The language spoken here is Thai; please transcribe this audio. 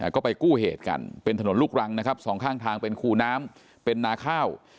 ก็ไปกู้เหตุกันเป็นถนนลูกรังนะครับสองข้างทางเป็นคู่น้ำเป็นนาข้าว